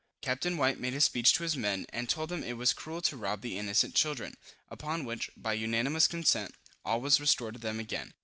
Captain White made a speech to his men, and told them it was cruel to rob the innocent children; upon which, by unanimous consent, all was restored to them again.